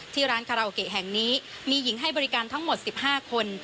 ที่ร้านคาราโอเกะแห่งนี้มีหญิงให้บริการทั้งหมด๑๕คน